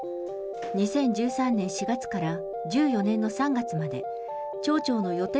２０１３年４月から１４年の３月まで、町長の予定